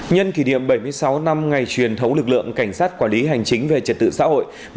nhân kỷ niệm bảy mươi sáu năm ngày truyền thống lực lượng cảnh sát quản lý hành chính về trật tự xã hội